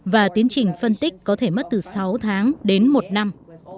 và tiến trình phân tích có thể mất từ sáu tháng đến một năm